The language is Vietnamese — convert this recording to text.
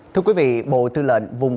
thưa quý vị bộ tư lợn vùng